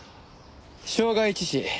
傷害致死。